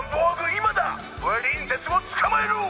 今だプリンセスをつかまえろ！」